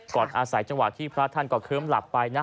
ก่อนอาศัยที่พระท่านกะเคิมหลับไปนะ